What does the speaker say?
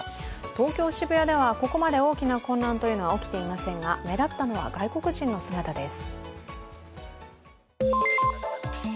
東京・渋谷ではここまで大きな混乱は起きていませんが目立ったのは、外国人の姿です。